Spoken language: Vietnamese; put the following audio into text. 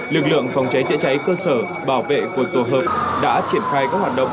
lực lượng phòng cháy chữa cháy cơ sở bảo vệ của tổ hợp đã triển khai các hoạt động